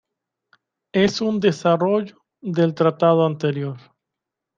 Es un desarrollo del tratado anterior.